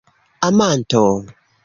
amanto